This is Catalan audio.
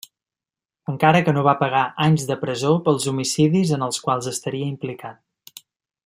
Encara que no va pagar anys de presó pels homicidis en els quals estaria implicat.